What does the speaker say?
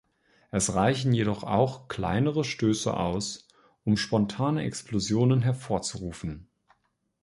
Es reichen jedoch auch kleinere Stöße aus, um spontane Explosionen hervorzurufen.